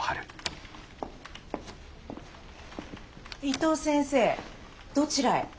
伊藤先生どちらへ？